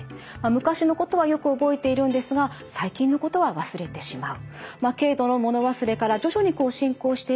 昔のことはよく覚えているんですが最近のことは忘れてしまう。